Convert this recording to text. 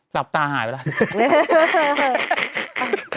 หลับตาหายไปแล้ว